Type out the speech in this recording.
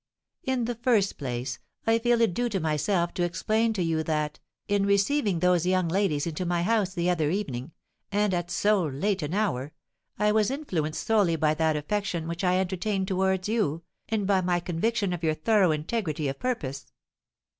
In the first place, I feel it due to myself to explain to you that, in receiving those young ladies into my house the other evening—and at so late an hour—I was influenced solely by that affection which I entertain towards you, and by my conviction of your thorough integrity of purpose."